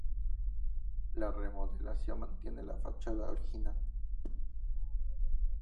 La remodelación mantiene la fachada original.